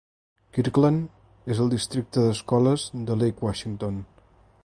Kirkland és en el districte de escoles de Lake Washington.